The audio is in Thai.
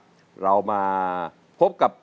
ขอเพียงคุณสามารถที่จะเอ่ยเอื้อนนะครับ